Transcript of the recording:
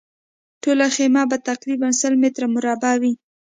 ټوله خیمه به تقریباً سل متره مربع وي.